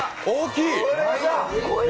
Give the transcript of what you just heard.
大きい！